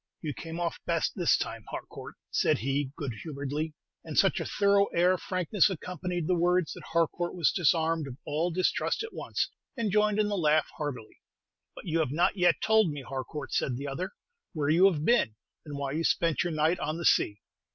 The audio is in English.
"You came off best this time, Harcourt," said he, good humoredly; and such a thorough air of frankness accompanied the words that Harcourt was disarmed of all distrust at once, and joined in the laugh heartily. "But you have not yet told me, Harcourt," said the other, "where you have been, and why you spent your night on the sea."